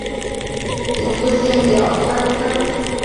银座线表参道站在开业时是位在现在位置靠涩谷方向侧。